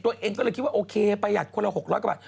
ตัวเองก็เลยคิดว่าโอเคประหยัดคนละ๖๐๐กว่าบาท